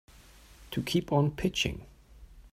To keep on pitching.